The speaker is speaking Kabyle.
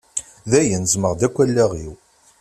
Dayen ẓmeɣ-d akk allaɣ-iw